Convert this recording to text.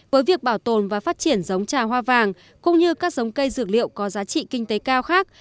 với việc bảo tồn và phát triển giống trà hoa vàng cũng như các giống cây dược liệu có giá trị kinh tế cao khác